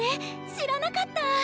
知らなかった！